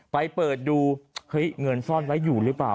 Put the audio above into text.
เปิดดูเฮ้ยเงินซ่อนไว้อยู่หรือเปล่า